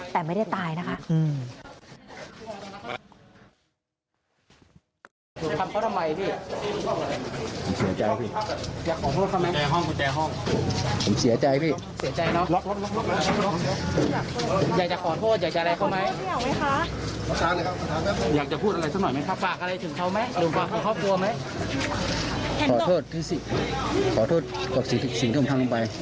แต่ไม่ได้ตายนะคะ